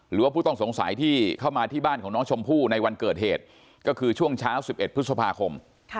หรือว่าผู้ต้องสงสัยที่เข้ามาที่บ้านของน้องชมพู่ในวันเกิดเหตุก็คือช่วงเช้า๑๑พฤษภาคม